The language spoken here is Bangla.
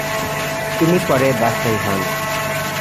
তিনি পরে বাহাই হন।